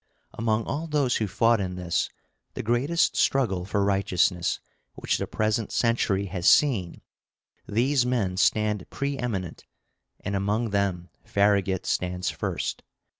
Among all those who fought in this, the greatest struggle for righteousness which the present century has seen, these men stand preeminent; and among them Farragut stands first.